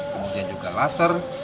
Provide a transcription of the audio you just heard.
kemudian juga laser